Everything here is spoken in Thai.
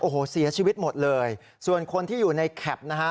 โอ้โหเสียชีวิตหมดเลยส่วนคนที่อยู่ในแคปนะฮะ